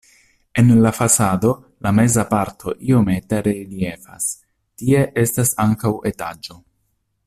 En la fasado la meza parto iomete reliefas, tie estas ankaŭ etaĝo.